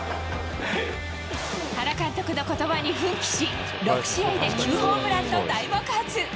原監督のことばに奮起し、６試合で９ホームランと大爆発。